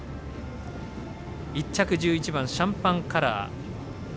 １着、１１番シャンパンカラー。